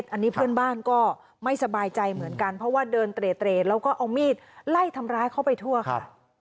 อันนี้เพื่อนบ้านก็ไม่สบายใจเหมือนกันเพราะว่าเดินเตรแล้วก็เอามีดไล่ทำร้ายเขาไปทั่วค่ะ